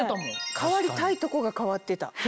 変わりたいとこが変わってた。